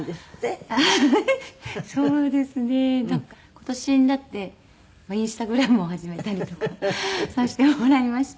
今年になってＩｎｓｔａｇｒａｍを始めたりとかさせてもらいました。